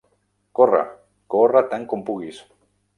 Corre, corre tant com puguis!